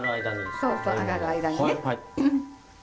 そうそう揚がる間にね。